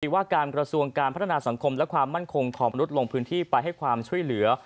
ว่าการกระทรวงการพัฒนาสังคมและความมั่นคงของมนุษย์ลงพื้นที่ไปให้ความช่วยเหลือ